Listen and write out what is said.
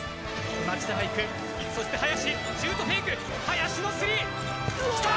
町田が行く、そして林、シュートフェイク、林のスリー。